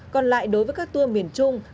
còn lại đối với các tour miền trung